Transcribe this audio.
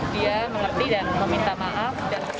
dia mengerti dan meminta maaf